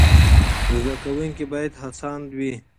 زده کوونکي باید هڅاند وي.